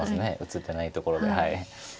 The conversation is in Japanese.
映ってないところで。